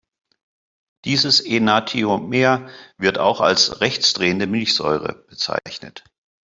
Dieses Enantiomer wird auch als "rechtsdrehende Milchsäure" bezeichnet.